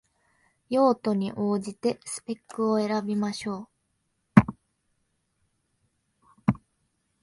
用途に応じてスペックを選びましょう